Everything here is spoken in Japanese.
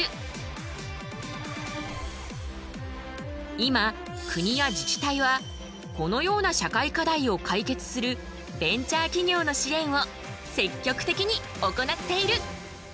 今国や自治体はこのような社会課題を解決するベンチャー企業の支援を積極的に行っている。